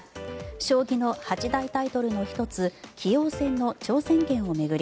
将棋の八大タイトルの１つ棋王戦の挑戦権を巡り